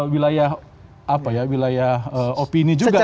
wilayah opini juga ini